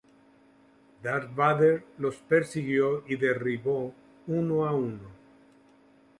Darth Vader los persiguió y derribó uno a uno.